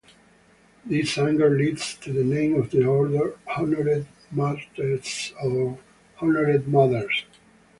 This anger leads to the name of the order, "Honored Matres", or Honored Mothers.